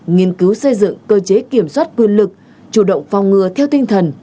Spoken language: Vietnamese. nghiên cứu xây dựng cơ chế kiểm soát quyền lực chủ động phòng ngừa theo tinh thần